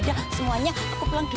nah itu baru betul